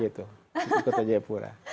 begitu di kota jayapura